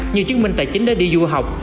như chứng minh tài chính đã đi du học